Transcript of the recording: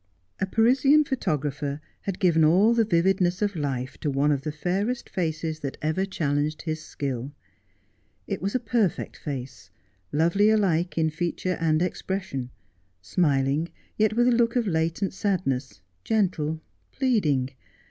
A Parisian photographer had given all the vividness of life to one of the fairest faces that ever challenged his skill. It was a perfect face, lovely alike in feature and expression — smiling, yet with a look of latent sadness, gentle, pleading.